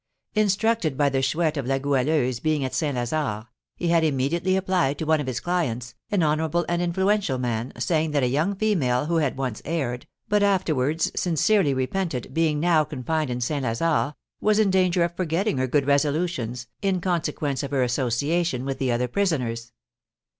Instructed by the Chouette of La Goualeuse being at St. Lazare, he had immediately applied to one of his clients, an honourable and influential man, saying that a young female who had once erred, but afterwards sincerely repented, being now confined in St. Lazare, was in danger of forgetting her good resolutions, in consequence of her association with the other prisoners.